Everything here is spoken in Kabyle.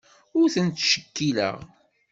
Ur ten-ttcekkileɣ.